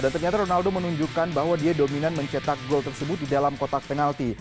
dan ternyata ronaldo menunjukkan bahwa dia dominan mencetak gol tersebut di dalam kotak penalti